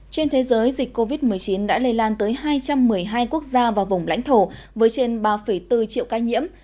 trên thế giới dịch covid một mươi chín đã lây lan tới hai trăm một mươi hai quốc gia và vùng lãnh thổ với trên ba bốn triệu ca nhiễm